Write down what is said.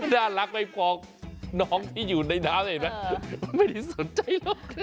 น่ารักไม่พอน้องที่อยู่ในน้ำเห็นไหมไม่ได้สนใจหรอก